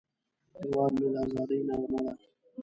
هیواد مې د ازادۍ نغمه ده